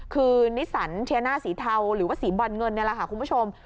คือนิสสันเชียน่าสีเทาหรือว่าสีบอลเงินนี่แหละค่ะคุณผู้ชม